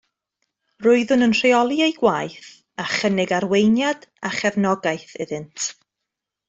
Roeddwn yn rheoli eu gwaith a chynnig arweiniad a chefnogaeth iddynt